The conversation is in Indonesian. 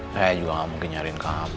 saya juga nggak mungkin nyariin kamu